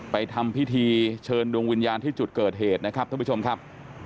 ทำพิธีเชิญดวงวิญญาณที่จุดเกิดเหตุนะครับท่านผู้ชมครับ